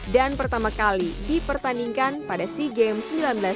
dan pertama kali dipertandingkan pada sea games seribu sembilan ratus sembilan puluh lima